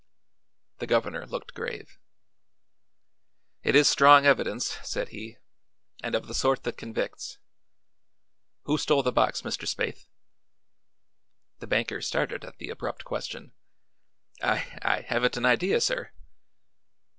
The governor looked grave. "It is strong evidence," said he, "and of the sort that convicts. Who stole the box, Mr. Spaythe?" The banker started at the abrupt question. "I I haven't an idea, sir."